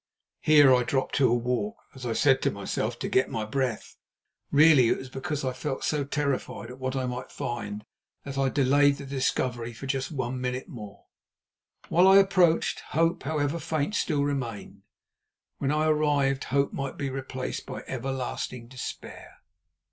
Here I dropped to a walk, as I said to myself—to get my breath. Really it was because I felt so terrified at what I might find that I delayed the discovery just for one minute more. While I approached, hope, however faint, still remained; when I arrived, hope might be replaced by everlasting despair.